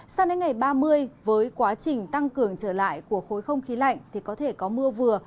sang đến ngày ba mươi với quá trình tăng cường trở lại của khối không khí lạnh thì có thể có mưa vừa